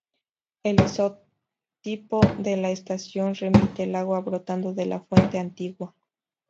El isotipo de la estación remite al agua brotando de la fuente antigua.